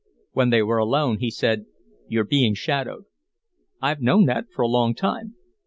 When they were alone he said: "You're being shadowed." "I've known that for a long time."